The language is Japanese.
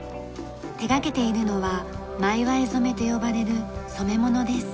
手掛けているのは萬祝染と呼ばれる染め物です。